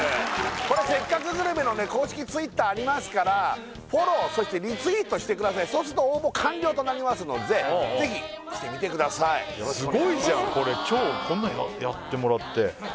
これ「せっかくグルメ！！」の公式Ｔｗｉｔｔｅｒありますからフォローそしてリツイートしてくださいそうすると応募完了となりますのでぜひしてみてくださいスゴイじゃんこれ今日ねえ